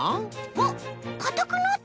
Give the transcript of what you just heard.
あっかたくなった！